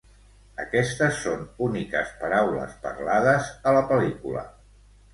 Aquestes són úniques paraules parlades a la pel·lícula.